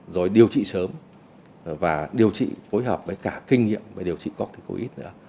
rồi điều trị sớm và điều trị phối hợp với cả kinh nghiệm về điều trị corticoid nữa